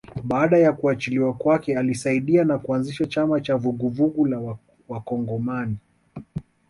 Baada ya kuachiliwa kwake alisaidiwa na kuanzisha chama cha Vuguvugu la Wakongomani